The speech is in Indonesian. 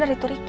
iya itu ricky